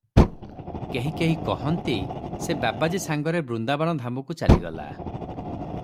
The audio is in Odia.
କେହି କେହି କହିନ୍ତି, ସେ ବାବାଜୀ ସାଙ୍ଗରେ ବୃନ୍ଦାବନ ଧାମକୁ ଚାଲିଗଲା ।